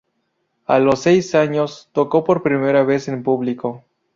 A los seis años tocó por primera vez en público.